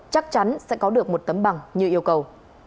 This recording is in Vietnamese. chắc chắn sẽ có được một tấm bằng như yêu cầu